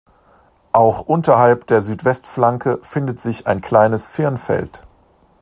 Auch unterhalb der Südwestflanke findet sich ein kleines Firnfeld.